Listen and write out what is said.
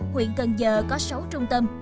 huyện cần giờ có sáu trung tâm